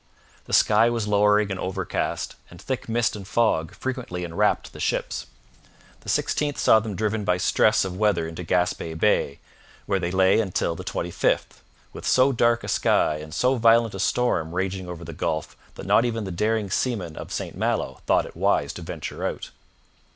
The sky was lowering and overcast, and thick mist and fog frequently enwrapped the ships. The 16th saw them driven by stress of weather into Gaspe Bay, where they lay until the 25th, with so dark a sky and so violent a storm raging over the Gulf that not even the daring seamen of St Malo thought it wise to venture out.